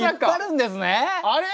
あれ？